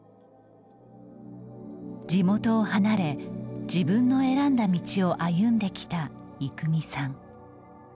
地元を離れ自分の選んだ道を歩んできた育美さん。